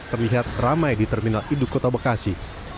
terlihat ramai di terminal induk kota bekasi